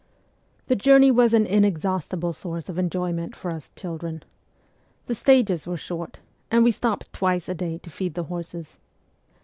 The journey was an inexhaustible source of enjoy ment for us children. The stages were short, and we stopped twice a day to feed the horses.